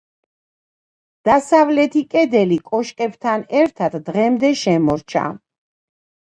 დასავლეთი კედელი კოშკებთან ერთად დღემდე შემორჩა.